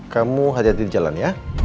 kamu hati hati di jalan ya